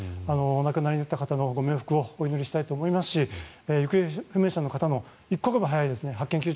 亡くなった方のご冥福をお祈りしたいと思いますし行方不明者の方の一刻も早い発見